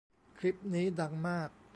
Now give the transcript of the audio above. คลิปนี้ดังมาก